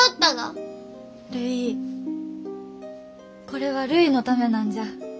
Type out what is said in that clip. これはるいのためなんじゃ。